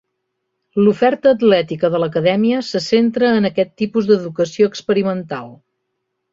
L'oferta atlètica de l'Acadèmia se centra en aquest tipus d'educació experimental.